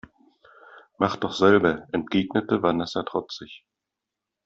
Mach doch selber, entgegnete Vanessa trotzig.